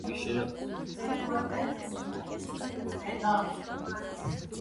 Այդուհանդերձ, դժվար է ներկայացնել մաեստրո Հովհաննես Չեքիջյանին։